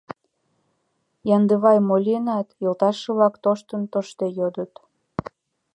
— Яндывай, мо лийынат? — йолташыже-влак тоштын-тоштде йодыт.